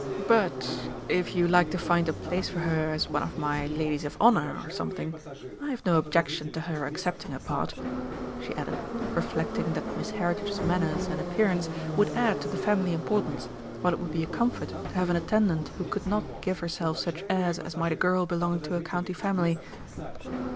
But if you like to find a place for her as one of my ladies of honour or something, I have no objection to her accepting a part," she added, reflecting that Miss Heritage's manners and appearance would add to the family importance, while it would be a comfort to have an attendant who could not give herself such airs as might a girl belonging to a county family.